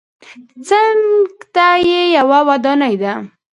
څنګ ته یې یوه ودانۍ ده.